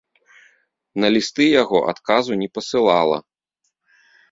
На лісты яго адказу не пасылала.